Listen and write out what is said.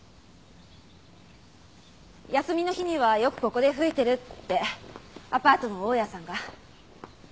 休みの日にはよくここで吹いてるってアパートの大家さんが。